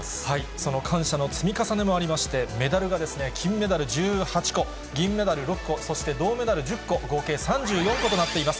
その感謝の積み重ねもありまして、メダルが、金メダル１８個、銀メダル６個、そして銅メダル１０個、合計３４個となっています。